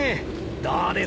どうです？